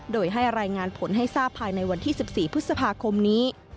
โดยให้รายงานผลให้ทราบภายในวันที่๑๔พฤษภาคมนี้